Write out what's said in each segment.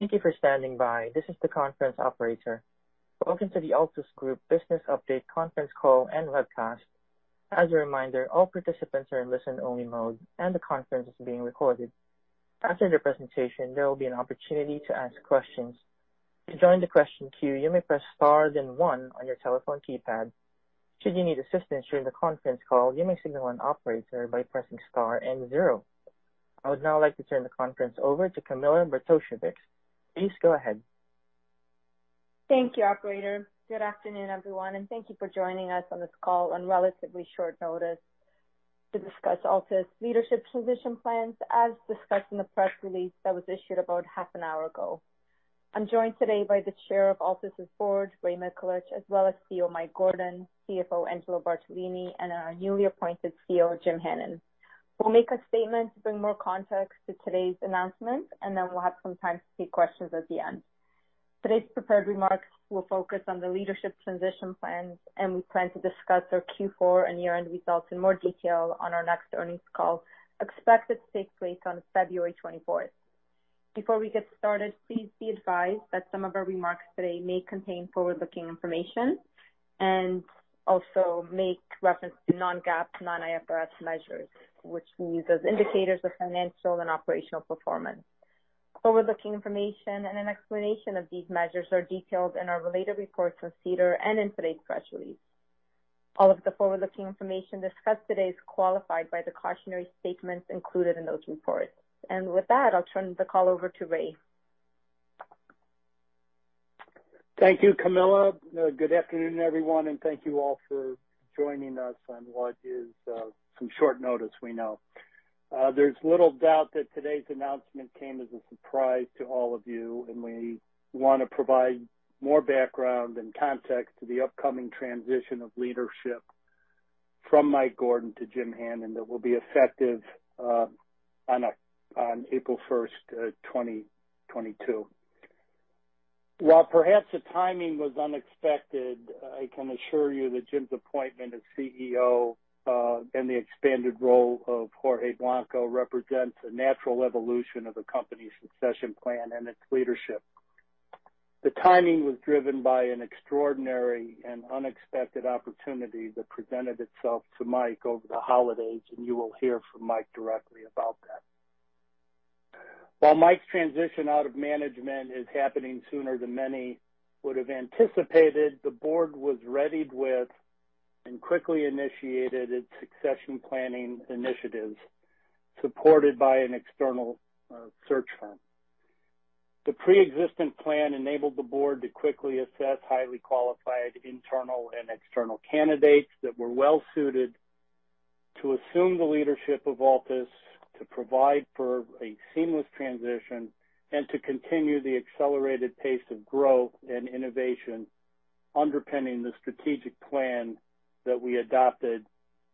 Thank you for standing by. This is the conference operator. Welcome to the Altus Group Business Update Conference Call and Webcast. As a reminder, all participants are in listen-only mode, and the conference is being recorded. After the presentation, there will be an opportunity to ask questions. To join the question queue, you may press star then one on your telephone keypad. Should you need assistance during the conference call, you may signal an operator by pressing star and zero. I would now like to turn the conference over to Camilla Bartosiewicz. Please go ahead. Thank you, operator. Good afternoon, everyone, and thank you for joining us on this call on relatively short notice to discuss Altus leadership transition plans as discussed in the press release that was issued about half an hour ago. I'm joined today by the Chair of Altus' board, Raymond Mikulich, as well as CEO Mike Gordon, CFO Angelo Bartolini, and our newly appointed CEO, Jim Hannon. We'll make a statement to bring more context to today's announcement, and then we'll have some time to take questions at the end. Today's prepared remarks will focus on the leadership transition plans, and we plan to discuss our Q4 and year-end results in more detail on our next earnings call, expected to take place on February 24th. Before we get started, please be advised that some of our remarks today may contain forward-looking information and also make reference to non-GAAP, non-IFRS measures, which we use as indicators of financial and operational performance. Forward-looking information and an explanation of these measures are detailed in our related reports on SEDAR and in today's press release. All of the forward-looking information discussed today is qualified by the cautionary statements included in those reports. With that, I'll turn the call over to Ray. Thank you, Camilla. Good afternoon, everyone, and thank you all for joining us on what is some short notice, we know. There's little doubt that today's announcement came as a surprise to all of you, and we wanna provide more background and context to the upcoming transition of leadership from Mike Gordon to Jim Hannon that will be effective on April 1, 2022. While perhaps the timing was unexpected, I can assure you that Jim's appointment as CEO and the expanded role of Jorge Blanco represents a natural evolution of the company's succession plan and its leadership. The timing was driven by an extraordinary and unexpected opportunity that presented itself to Mike over the holidays, and you will hear from Mike directly about that. While Mike's transition out of management is happening sooner than many would have anticipated, the board was ready with and quickly initiated its succession planning initiatives supported by an external search firm. The pre-existing plan enabled the board to quickly assess highly qualified internal and external candidates that were well suited to assume the leadership of Altus, to provide for a seamless transition, and to continue the accelerated pace of growth and innovation underpinning the strategic plan that we adopted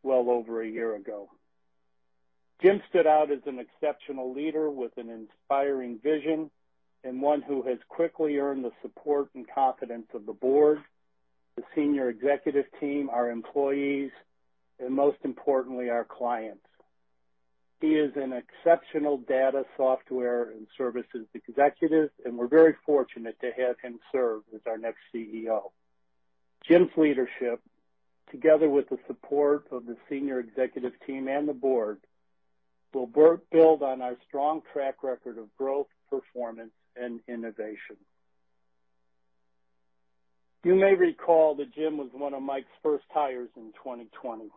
well over a year ago. Jim stood out as an exceptional leader with an inspiring vision and one who has quickly earned the support and confidence of the board, the senior executive team, our employees, and most importantly, our clients. He is an exceptional data software and services executive, and we're very fortunate to have him serve as our next CEO. Jim's leadership, together with the support of the senior executive team and the board, will build on our strong track record of growth, performance, and innovation. You may recall that Jim was one of Mike's first hires in 2020.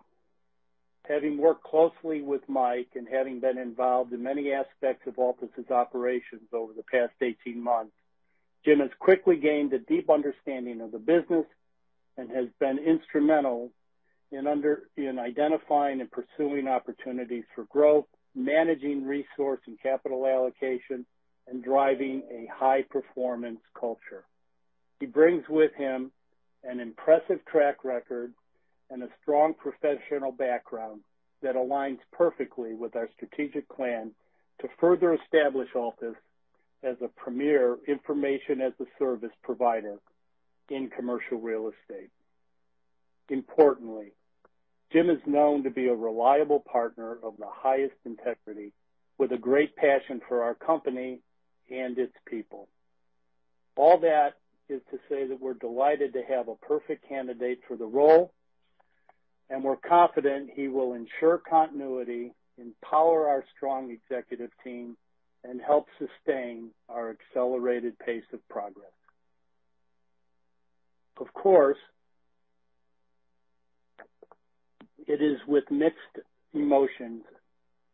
Having worked closely with Mike and having been involved in many aspects of Altus' operations over the past 18 months, Jim has quickly gained a deep understanding of the business and has been instrumental in identifying and pursuing opportunities for growth, managing resource and capital allocation, and driving a high-performance culture. He brings with him an impressive track record and a strong professional background that aligns perfectly with our strategic plan to further establish Altus as a premier information as a service provider in commercial real estate. Importantly, Jim is known to be a reliable partner of the highest integrity with a great passion for our company and its people. All that is to say that we're delighted to have a perfect candidate for the role, and we're confident he will ensure continuity, empower our strong executive team, and help sustain our accelerated pace of progress. Of course, it is with mixed emotions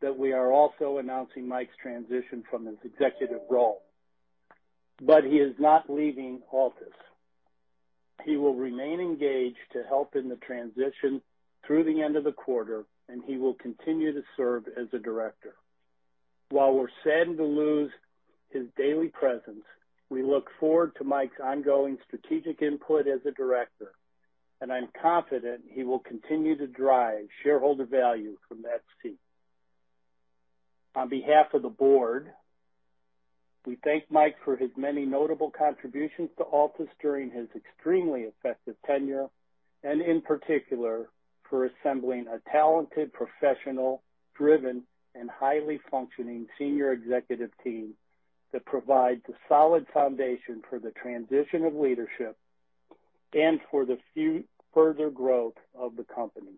that we are also announcing Mike's transition from his executive role, but he is not leaving Altus. He will remain engaged to help in the transition through the end of the quarter, and he will continue to serve as a director. While we're saddened to lose his daily presence, we look forward to Mike's ongoing strategic input as a director, and I'm confident he will continue to drive shareholder value from that seat. On behalf of the board, we thank Mike for his many notable contributions to Altus during his extremely effective tenure. In particular, for assembling a talented, professional, driven and highly functioning senior executive team that provides a solid foundation for the transition of leadership and for the further growth of the company.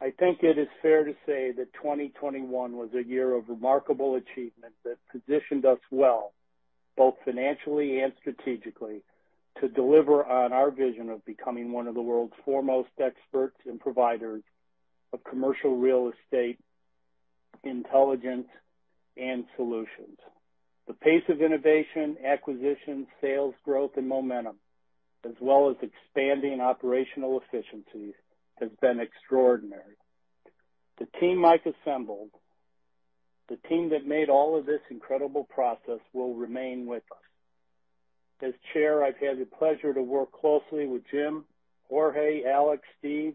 I think it is fair to say that 2021 was a year of remarkable achievement that positioned us well, both financially and strategically, to deliver on our vision of becoming one of the world's foremost experts and providers of commercial real estate intelligence and solutions. The pace of innovation, acquisition, sales growth and momentum, as well as expanding operational efficiencies, has been extraordinary. The team Mike assembled, the team that made all of this incredible progress will remain with us. As Chair, I've had the pleasure to work closely with Jim, Jorge, Alex, Steve,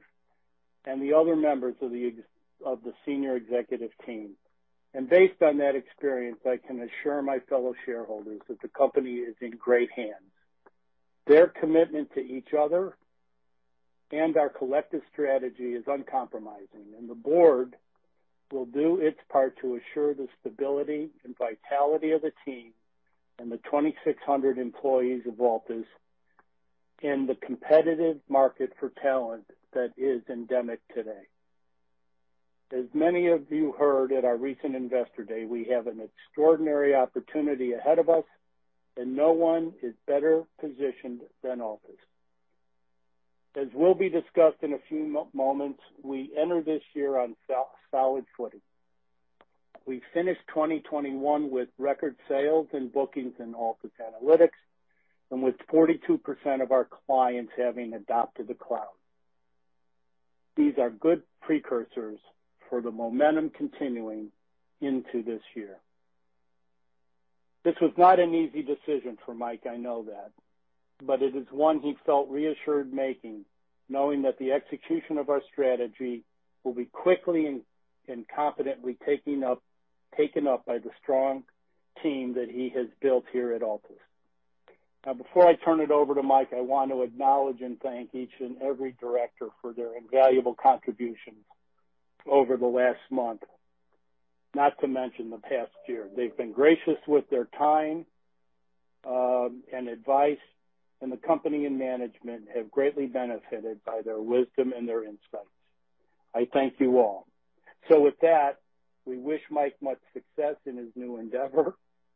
and the other members of the senior executive team. Based on that experience, I can assure my fellow shareholders that the company is in great hands. Their commitment to each other and our collective strategy is uncompromising, and the Board will do its part to assure the stability and vitality of the team and the 2,600 employees of Altus in the competitive market for talent that is endemic today. As many of you heard at our recent Investor Day, we have an extraordinary opportunity ahead of us, and no one is better positioned than Altus. As will be discussed in a few moments, we enter this year on solid footing. We finished 2021 with record sales and bookings in Altus Analytics, and with 42% of our clients having adopted the cloud. These are good precursors for the momentum continuing into this year. This was not an easy decision for Mike, I know that, but it is one he felt reassured making, knowing that the execution of our strategy will be quickly and competently taken up by the strong team that he has built here at Altus. Now before I turn it over to Mike, I want to acknowledge and thank each and every director for their invaluable contributions over the last month, not to mention the past year. They've been gracious with their time, and advice, and the company and management have greatly benefited by their wisdom and their insights. I thank you all. With that, we wish Mike much success in his new endeavor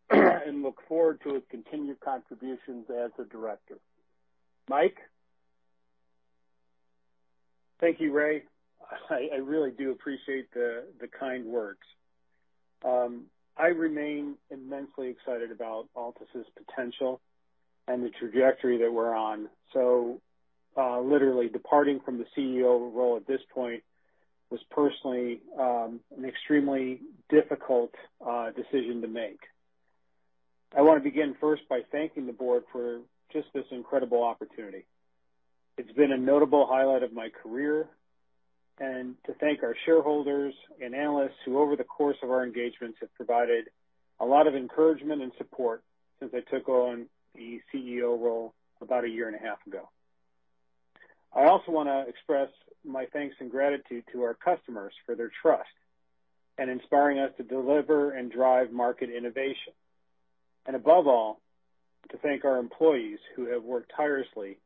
and look forward to his continued contributions as a director. Mike? Thank you, Ray. I really do appreciate the kind words. I remain immensely excited about Altus' potential and the trajectory that we're on. Literally departing from the CEO role at this point was personally an extremely difficult decision to make. I wanna begin first by thanking the board for just this incredible opportunity. It's been a notable highlight of my career. To thank our shareholders and analysts who over the course of our engagements have provided a lot of encouragement and support since I took on the CEO role about a year and a half ago. I also wanna express my thanks and gratitude to our customers for their trust and inspiring us to deliver and drive market innovation. Above all, I want to thank our employees who have worked tirelessly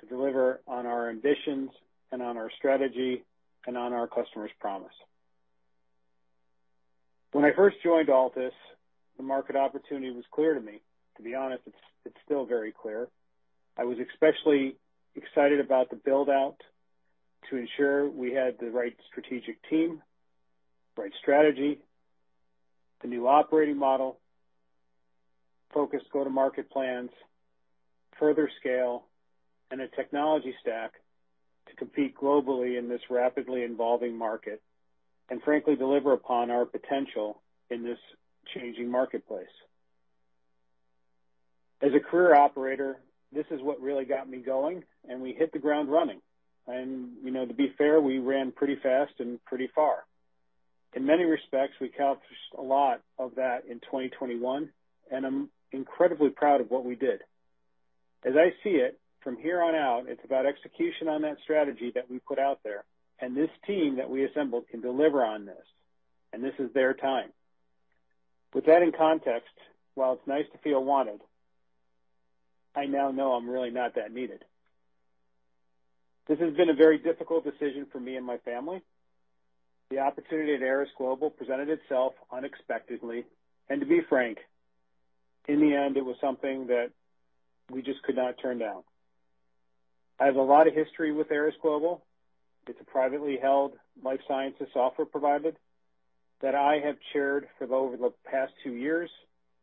to deliver on our ambitions and on our strategy and on our customer's promise. When I first joined Altus, the market opportunity was clear to me. To be honest, it's still very clear. I was especially excited about the build-out to ensure we had the right strategic team, right strategy, the new operating model, focused go-to-market plans, further scale, and a technology stack to compete globally in this rapidly evolving market, and frankly, deliver upon our potential in this changing marketplace. As a career operator, this is what really got me going, and we hit the ground running. You know, to be fair, we ran pretty fast and pretty far. In many respects, we accomplished a lot of that in 2021, and I'm incredibly proud of what we did. As I see it, from here on out, it's about execution on that strategy that we put out there, and this team that we assembled can deliver on this, and this is their time. With that in context, while it's nice to feel wanted, I now know I'm really not that needed. This has been a very difficult decision for me and my family. The opportunity at ArisGlobal presented itself unexpectedly, and to be frank, in the end, it was something that we just could not turn down. I have a lot of history with ArisGlobal. It's a privately held life sciences software provider that I have chaired for over the past two years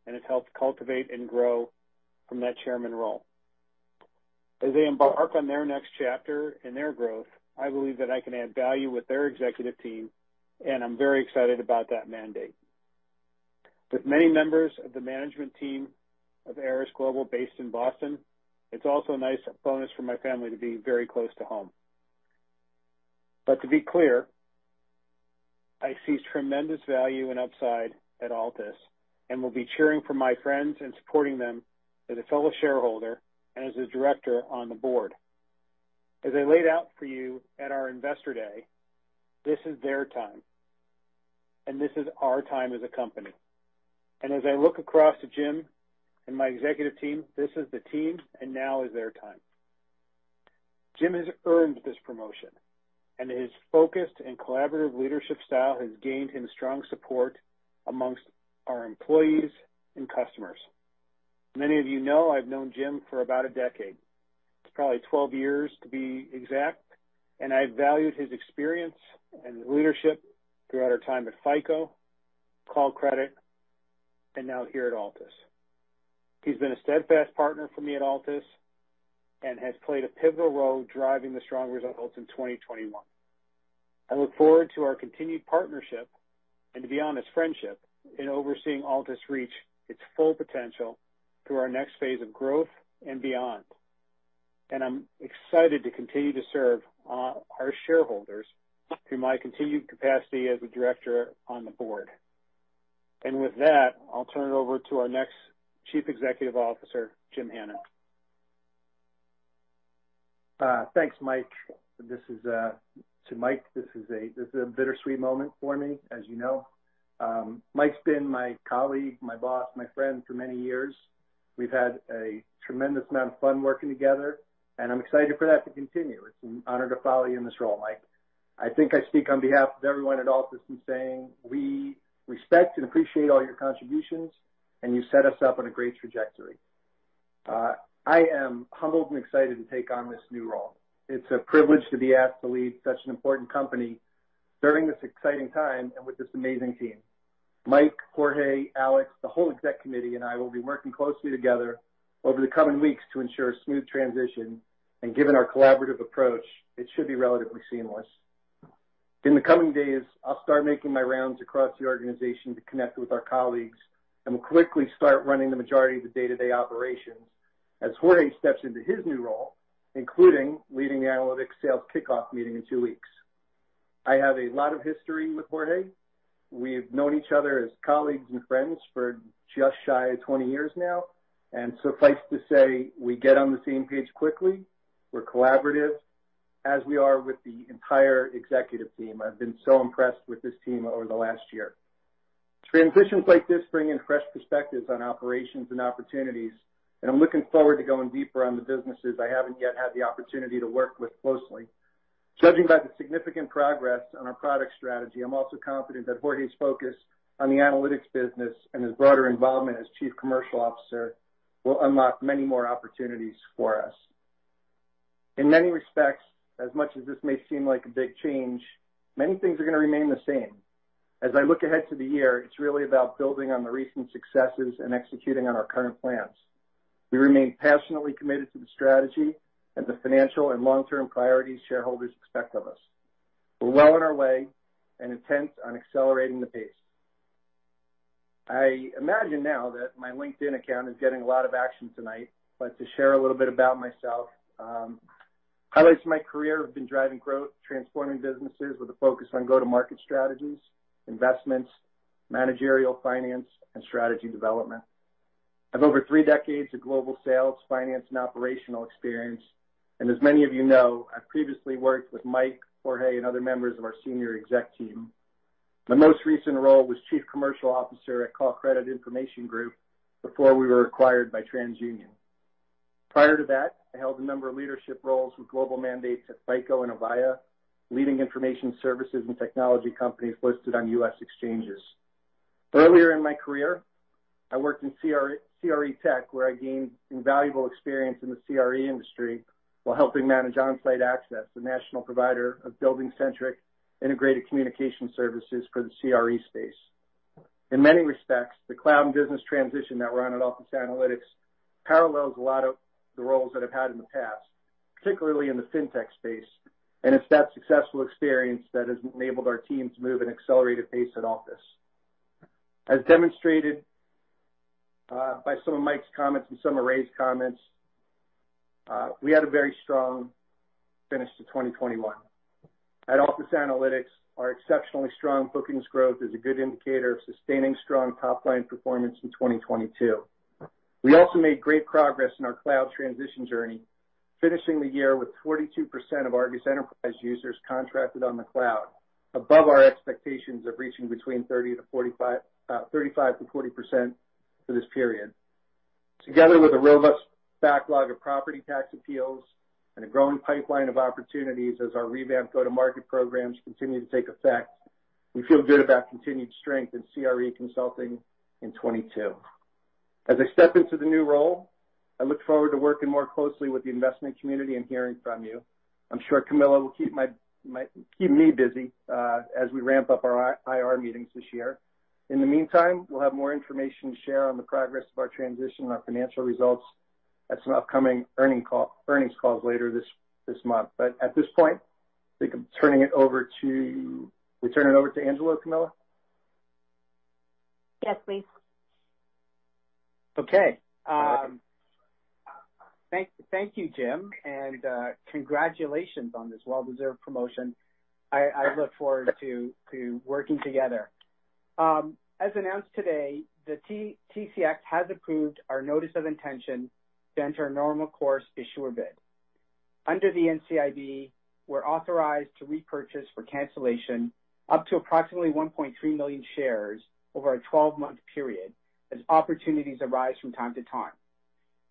and have helped cultivate and grow from that chairman role. As they embark on their next chapter and their growth, I believe that I can add value with their executive team, and I'm very excited about that mandate. With many members of the management team of ArisGlobal based in Boston, it's also a nice bonus for my family to be very close to home. To be clear, I see tremendous value and upside at Altus and will be cheering for my friends and supporting them as a fellow shareholder and as a director on the board. As I laid out for you at our Investor Day, this is their time, and this is our time as a company. as I look across at Jim and my executive team, this is the team, and now is their time. Jim has earned this promotion, and his focused and collaborative leadership style has gained him strong support amongst our employees and customers. Many of you know I've known Jim for about a decade. It's probably 12 years to be exact, and I valued his experience and leadership throughout our time at FICO, Callcredit, and now here at Altus. He's been a steadfast partner for me at Altus and has played a pivotal role driving the strong results in 2021. I look forward to our continued partnership and, to be honest, friendship in overseeing Altus reach its full potential through our next phase of growth and beyond. I'm excited to continue to serve our shareholders through my continued capacity as a director on the board. With that, I'll turn it over to our next Chief Executive Officer, Jim Hannon. Thanks, Mike. To Mike, this is a bittersweet moment for me, as you know. Mike's been my colleague, my boss, my friend for many years. We've had a tremendous amount of fun working together, and I'm excited for that to continue. It's an honor to follow you in this role, Mike. I think I speak on behalf of everyone at Altus in saying we respect and appreciate all your contributions, and you set us up on a great trajectory. I am humbled and excited to take on this new role. It's a privilege to be asked to lead such an important company during this exciting time and with this amazing team. Mike, Jorge, Alex, the whole exec committee and I will be working closely together over the coming weeks to ensure a smooth transition, and given our collaborative approach, it should be relatively seamless. In the coming days, I'll start making my rounds across the organization to connect with our colleagues, and we'll quickly start running the majority of the day-to-day operations as Jorge steps into his new role, including leading the analytics sales kickoff meeting in two weeks. I have a lot of history with Jorge. We've known each other as colleagues and friends for just shy of 20 years now, and suffice to say, we get on the same page quickly. We're collaborative, as we are with the entire executive team. I've been so impressed with this team over the last year. Transitions like this bring in fresh perspectives on operations and opportunities, and I'm looking forward to going deeper on the businesses I haven't yet had the opportunity to work with closely. Judging by the significant progress on our product strategy, I'm also confident that Jorge's focus on the analytics business and his broader involvement as Chief Commercial Officer will unlock many more opportunities for us. In many respects, as much as this may seem like a big change, many things are gonna remain the same. As I look ahead to the year, it's really about building on the recent successes and executing on our current plans. We remain passionately committed to the strategy and the financial and long-term priorities shareholders expect of us. We're well on our way and intent on accelerating the pace. I imagine now that my LinkedIn account is getting a lot of action tonight. To share a little bit about myself, highlights of my career have been driving growth, transforming businesses with a focus on go-to-market strategies, investments, managerial finance, and strategy development. I've over three decades of global sales, finance, and operational experience, and as many of you know, I've previously worked with Mike, Jorge, and other members of our senior executive team. My most recent role was Chief Commercial Officer at Callcredit Information Group before we were acquired by TransUnion. Prior to that, I held a number of leadership roles with global mandates at FICO and Avaya, leading information services and technology companies listed on U.S. exchanges. Earlier in my career, I worked in CRE Tech, where I gained invaluable experience in the CRE industry while helping manage Onsite Access, the national provider of building-centric integrated communication services for the CRE space. In many respects, the cloud and business transition that we're on at Altus Analytics parallels a lot of the roles that I've had in the past, particularly in the fintech space, and it's that successful experience that has enabled our team to move at an accelerated pace at Altus. As demonstrated by some of Mike's comments and some of Ray's comments, we had a very strong finish to 2021. At Altus Analytics, our exceptionally strong bookings growth is a good indicator of sustaining strong top-line performance in 2022. We also made great progress in our cloud transition journey, finishing the year with 42% of ARGUS Enterprise users contracted on the cloud, above our expectations of reaching between 35%-40% for this period. Together with a robust backlog of property tax appeals and a growing pipeline of opportunities as our revamped go-to-market programs continue to take effect, we feel good about continued strength in CRE consulting in 2022. As I step into the new role, I look forward to working more closely with the investment community and hearing from you. I'm sure Camilla will keep me busy as we ramp up our IR meetings this year. In the meantime, we'll have more information to share on the progress of our transition and our financial results at some upcoming earnings calls later this month. At this point, we turn it over to Angelo, Camilla? Yes, please. Thank you, Jim, and congratulations on this well-deserved promotion. I look forward to working together. As announced today, the TSX has approved our notice of intention to enter a normal course issuer bid. Under the NCIB, we're authorized to repurchase for cancellation up to approximately 1.3 million shares over a 12-month period as opportunities arise from time to time.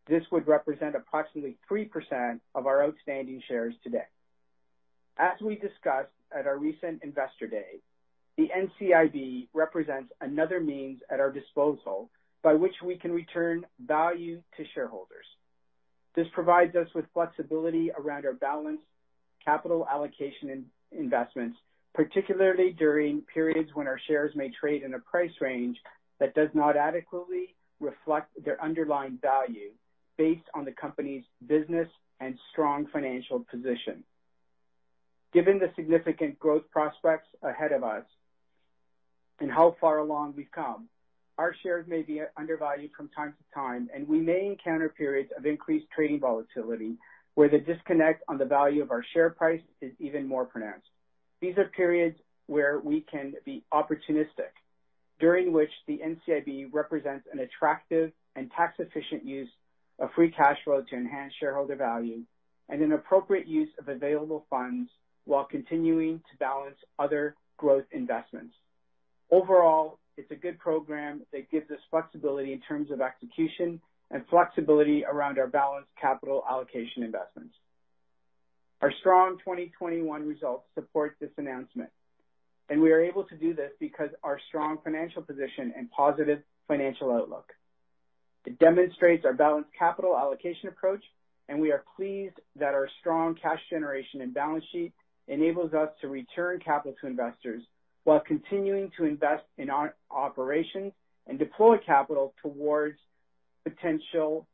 This would represent approximately 3% of our outstanding shares today. As we discussed at our recent Investor Day, the NCIB represents another means at our disposal by which we can return value to shareholders. This provides us with flexibility around our balanced capital allocation in investments, particularly during periods when our shares may trade in a price range that does not adequately reflect their underlying value based on the company's business and strong financial position. Given the significant growth prospects ahead of us and how far along we've come, our shares may be undervalued from time to time, and we may encounter periods of increased trading volatility where the disconnect on the value of our share price is even more pronounced. These are periods where we can be opportunistic, during which the NCIB represents an attractive and tax-efficient use of free cash flow to enhance shareholder value and an appropriate use of available funds while continuing to balance other growth investments. Overall, it's a good program that gives us flexibility in terms of execution and flexibility around our balanced capital allocation investments. Our strong 2021 results support this announcement, and we are able to do this because our strong financial position and positive financial outlook. It demonstrates our balanced capital allocation approach, and we are pleased that our strong cash generation and balance sheet enables us to return capital to investors while continuing to invest in our operations and deploy capital towards potential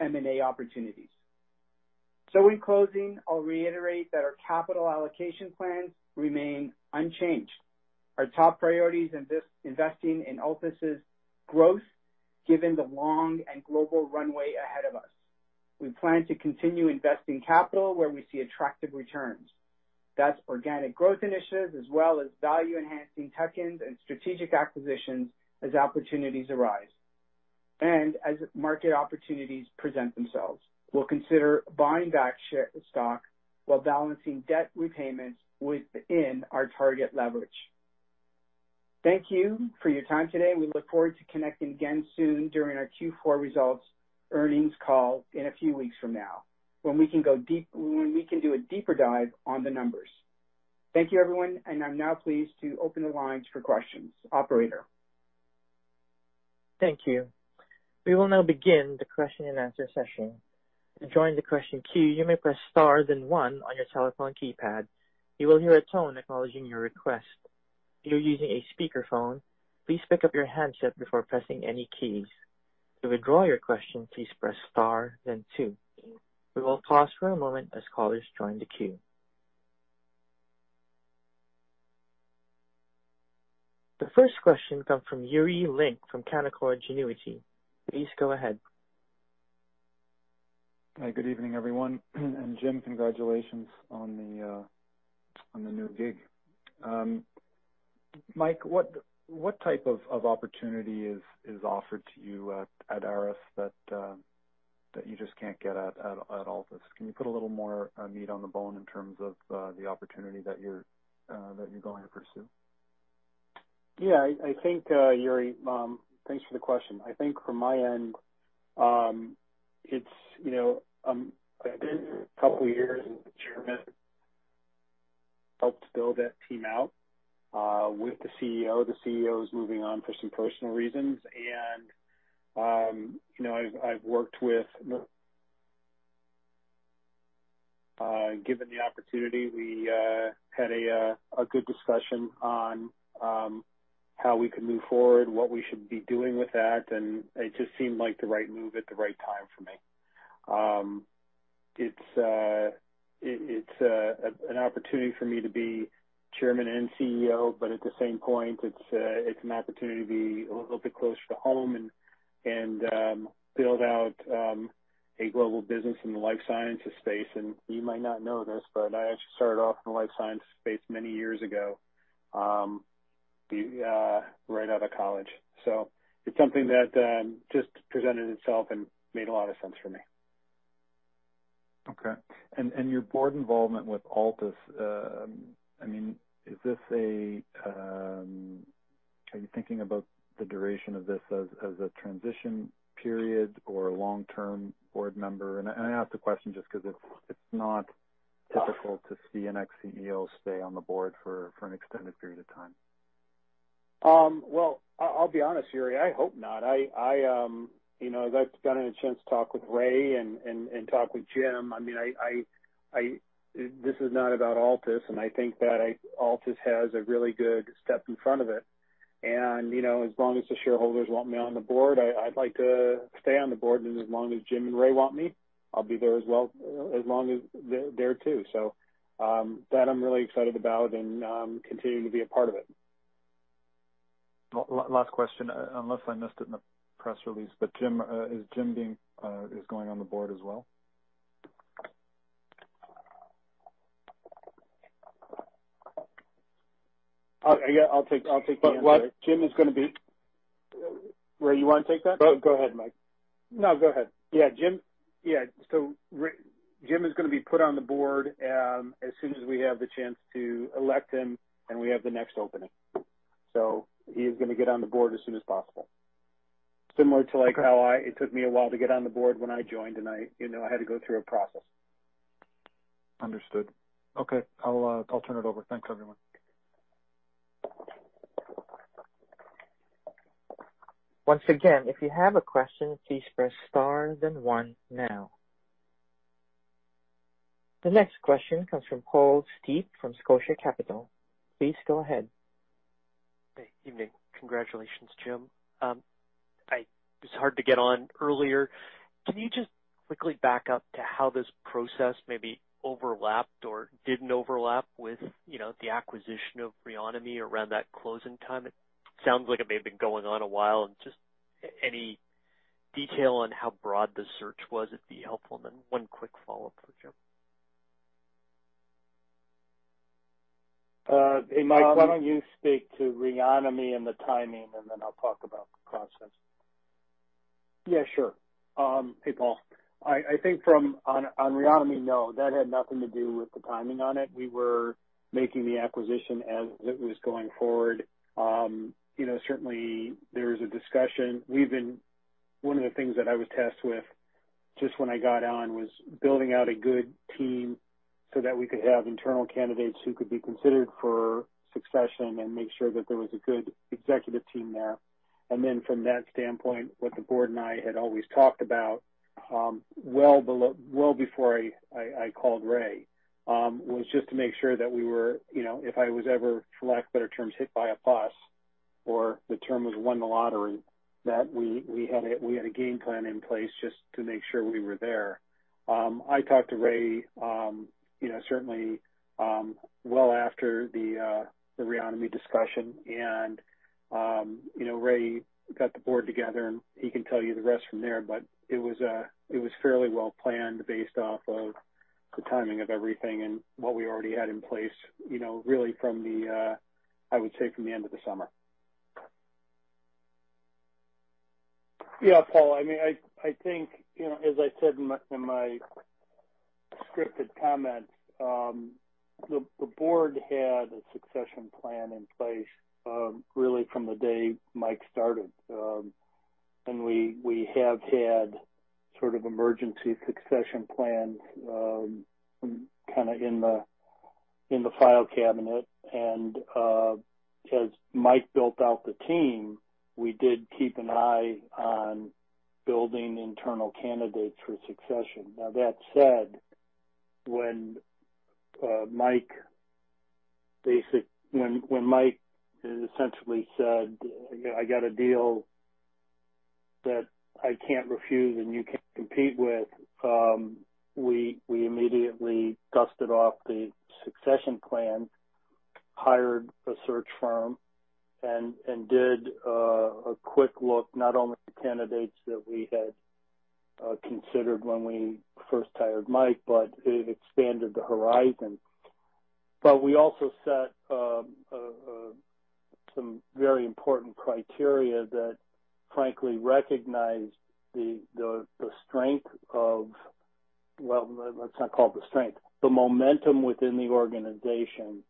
M&A opportunities. In closing, I'll reiterate that our capital allocation plans remain unchanged. Our top priority is investing in Altus' growth, given the long and global runway ahead of us. We plan to continue investing capital where we see attractive returns. That's organic growth initiatives as well as value-enhancing tech investments and strategic acquisitions as opportunities arise. As market opportunities present themselves, we'll consider buying back stock while balancing debt repayments within our target leverage. Thank you for your time today. We look forward to connecting again soon during our Q4 results earnings call in a few weeks from now, when we can do a deeper dive on the numbers. Thank you, everyone, and I'm now pleased to open the lines for questions. Operator? Thank you. We will now begin the question-and-answer session. To join the question queue, you may press star then one on your telephone keypad. You will hear a tone acknowledging your request. If you are using a speakerphone, please pick up your handset before pressing any keys. To withdraw your question, please press star then two. We will pause for a moment as callers join the queue. The first question comes from Yuri Lynk from Canaccord Genuity. Please go ahead. Hi, good evening, everyone. Jim, congratulations on the new gig. Mike, what type of opportunity is offered to you at ArisGlobal that you just can't get at Altus? Can you put a little more meat on the bone in terms of the opportunity that you're going to pursue? Yeah, I think, Yuri, thanks for the question. I think from my end, it's you know, I did a couple of years as Chairman, helped build that team out with the CEO. The CEO is moving on for some personal reasons. You know, given the opportunity, we had a good discussion on how we could move forward, what we should be doing with that, and it just seemed like the right move at the right time for me. It's an opportunity for me to be Chairman and CEO, but at the same point, it's an opportunity to be a little bit closer to home and build out a global business in the life sciences space. You might not know this, but I actually started off in the life sciences space many years ago, right out of college. It's something that just presented itself and made a lot of sense for me. Okay. Your board involvement with Altus, I mean, are you thinking about the duration of this as a transition period or a long-term board member? I ask the question just 'cause it's not typical to see an ex-CEO stay on the board for an extended period of time. Well, I'll be honest, Yuri, I hope not. You know, as I've gotten a chance to talk with Ray and talk with Jim, I mean, this is not about Altus, and I think that Altus has a really good step in front of it. You know, as long as the shareholders want me on the board, I'd like to stay on the board. As long as Jim and Ray want me, I'll be there as well, as long as they're there too. That I'm really excited about and continuing to be a part of it. Last question, unless I missed it in the press release, but Jim, is Jim going on the board as well? I'll take the answer. But what- Jim is gonna be. Ray, you wanna take that? Go ahead, Mike. No, go ahead. Yeah, Jim. Yeah. Our Jim is gonna be put on the board as soon as we have the chance to elect him, and we have the next opening. He is gonna get on the board as soon as possible. Similar to, like, how it took me a while to get on the board when I joined, and I, you know, had to go through a process. Understood. Okay. I'll turn it over. Thanks, everyone. The next question comes from Paul Steep from Scotia Capital. Please go ahead. Hey, evening. Congratulations, Jim. It's hard to get on earlier. Can you just quickly back up to how this process maybe overlapped or didn't overlap with, you know, the acquisition of Reonomy around that closing time? It sounds like it may have been going on a while, and just any detail on how broad the search was, it'd be helpful. One quick follow-up for Jim. Hey, Mike, why don't you speak to Reonomy and the timing, and then I'll talk about the process. Yeah, sure. Hey, Paul. I think on Reonomy, no. That had nothing to do with the timing on it. We were making the acquisition as it was going forward. You know, certainly there's a discussion. One of the things that I was tasked with just when I got on was building out a good team so that we could have internal candidates who could be considered for succession and make sure that there was a good executive team there. Then from that standpoint, what the board and I had always talked about, well before I called Ray, was just to make sure that we were, you know, if I was ever, for lack of better terms, hit by a bus or won the lottery, that we had a game plan in place just to make sure we were there. I talked to Ray, you know, certainly, well after the Reonomy discussion. You know, Ray got the board together, and he can tell you the rest from there. It was fairly well planned based off of the timing of everything and what we already had in place, you know, really from the end of the summer. Yeah, Paul. I mean, I think, you know, as I said in my scripted comments, the board had a succession plan in place, really from the day Mike started. We have had sort of emergency succession plans, kinda in the file cabinet. As Mike built out the team, we did keep an eye on building internal candidates for succession. Now, that said, when Mike essentially said, "I got a deal that I can't refuse and you can't compete with," we immediately dusted off the succession plan, hired a search firm, and did a quick look not only at the candidates that we had considered when we first hired Mike, but it expanded the horizon. We also set some very important criteria that frankly recognized the momentum within the organization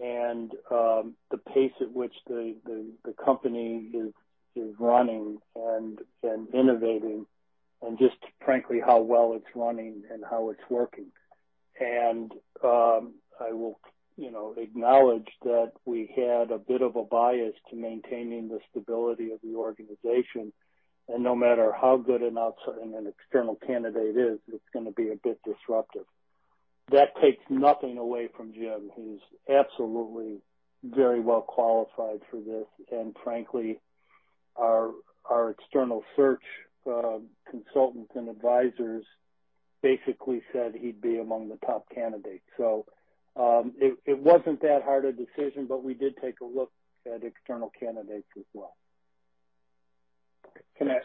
and the pace at which the company is running and innovating and just frankly how well it's running and how it's working. I will, you know, acknowledge that we had a bit of a bias to maintaining the stability of the organization, and no matter how good an external candidate is, it's gonna be a bit disruptive. That takes nothing away from Jim, who's absolutely very well qualified for this. Frankly, our external search consultants and advisors basically said he'd be among the top candidates. It wasn't that hard a decision, but we did take a look at external candidates as well. Can I,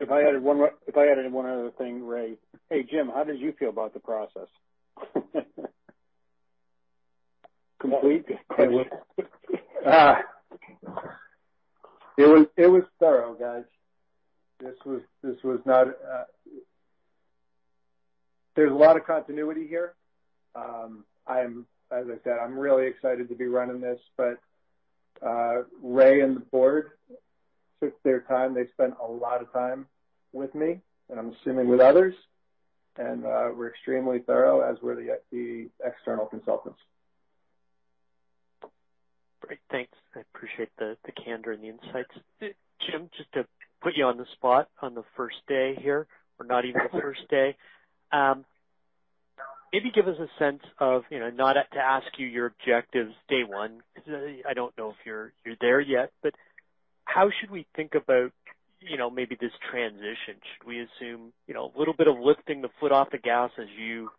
if I added one other thing, Ray. Hey, Jim, how did you feel about the process? Complete. It was thorough, guys. This was not. There's a lot of continuity here. I'm, as I said, really excited to be running this. Ray and the board took their time. They spent a lot of time with me, and I'm assuming with others, and were extremely thorough, as were the external consultants. Great. Thanks. I appreciate the candor and the insights. Jim, just to put you on the spot on the first day here, or not even the first day, maybe give us a sense of, you know, not to ask you your objectives day one, 'cause I don't know if you're there yet, but how should we think about, you know, maybe this transition? Should we assume, you know, a little bit of lifting the foot off the gas as you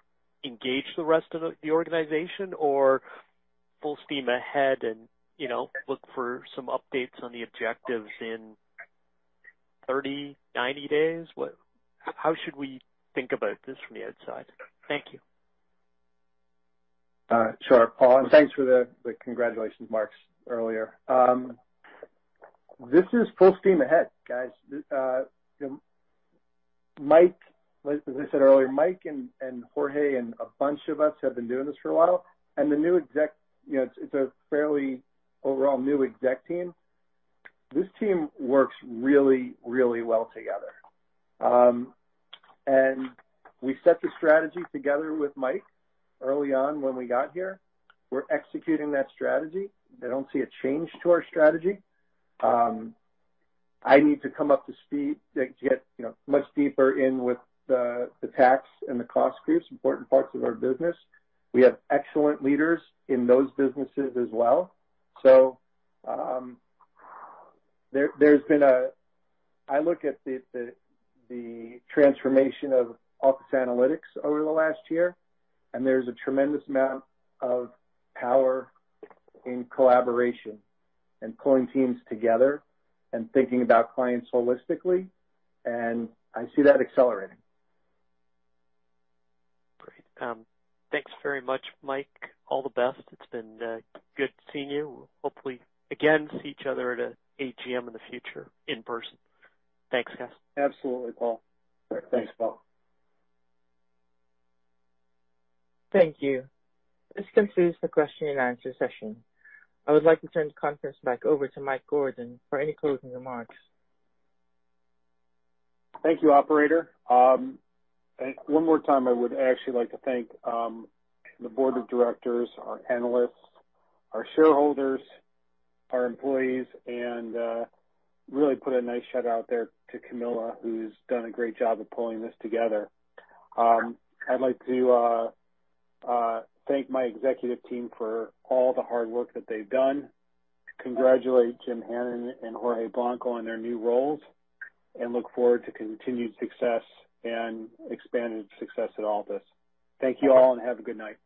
engage the rest of the organization or full steam ahead and, you know, look for some updates on the objectives in 30, 90 days? How should we think about this from the outside? Thank you. Sure, Paul, and thanks for the congratulations marks earlier. This is full steam ahead, guys. You know, Mike, like as I said earlier, Mike and Jorge and a bunch of us have been doing this for a while. The new exec, you know, it's a fairly overall new exec team. This team works really well together. We set the strategy together with Mike early on when we got here. We're executing that strategy. I don't see a change to our strategy. I need to come up to speed to get, you know, much deeper in with the tax and the cost groups, important parts of our business. We have excellent leaders in those businesses as well. There's been a... I look at the transformation of Altus Analytics over the last year, and there's a tremendous amount of power in collaboration and pulling teams together and thinking about clients holistically, and I see that accelerating. Great. Thanks very much, Mike. All the best. It's been good seeing you. Hopefully, we'll see each other again at an AGM in the future in person. Thanks, guys. Absolutely, Paul. Thanks, Paul. Thank you. This concludes the question and answer session. I would like to turn the conference back over to Mike Gordon for any closing remarks. Thank you, operator. One more time, I would actually like to thank the board of directors, our analysts, our shareholders, our employees, and really put a nice shout-out there to Camilla, who's done a great job of pulling this together. I'd like to thank my executive team for all the hard work that they've done, congratulate Jim Hannon and Jorge Blanco on their new roles, and look forward to continued success and expanded success at Altus. Thank you all, and have a good night.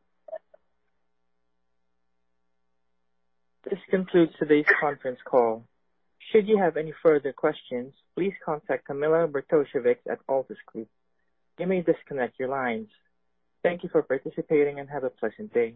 This concludes today's conference call. Should you have any further questions, please contact Camilla Bartosiewicz at Altus Group. You may disconnect your lines. Thank you for participating and have a pleasant day.